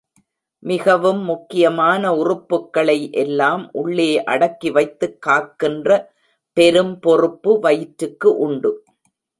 மிகவும் முக்கியமான உறுப்புக்களை எல்லாம் உள்ளே அடக்கி வைத்துக் காக்கின்ற பெரும் பொறுப்பு வயிற்றுக்கு உண்டு.